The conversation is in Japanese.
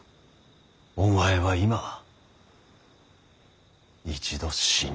お前は今一度死んだ。